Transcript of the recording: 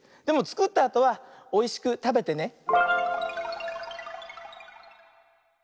でもつくったあとはおいしくたべてね。